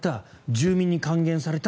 住民に還元された。